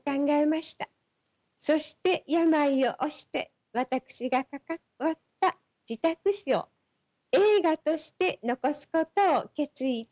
そして病を押して私が関わった自宅死を映画として残すことを決意いたしました。